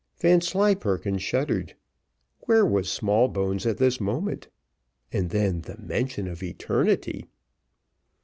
Vanslyperken shuddered. Where was Smallbones at this moment? and then, the mention of eternity!